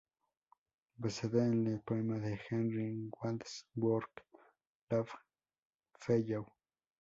Basada en el poema de Henry Wadsworth Longfellow.